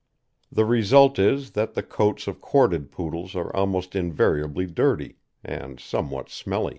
The result is, that the coats of corded Poodles are almost invariably dirty, and somewhat smelly.